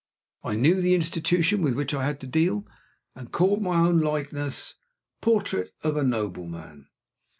I knew the institution with which I had to deal, and called my own likeness, Portrait of a Nobleman.